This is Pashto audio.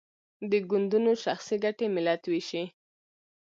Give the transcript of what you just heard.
د ګوندونو شخصي ګټې ملت ویشي.